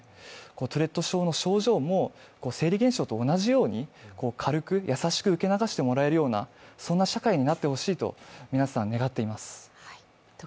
トゥレット症の症状も生理現象と同じように軽く優しく受け流してもらえるような社会になってほしいと皆さん願っています。